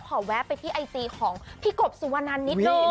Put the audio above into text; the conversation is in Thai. แวะไปที่ไอจีของพี่กบสุวนันนิดนึง